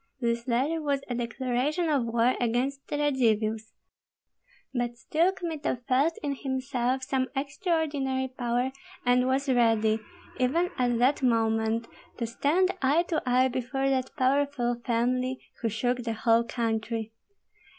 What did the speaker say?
This letter was a declaration of war against the Radzivills; but still Kmita felt in himself some extraordinary power, and was ready, even at that moment, to stand eye to eye before that powerful family who shook the whole country.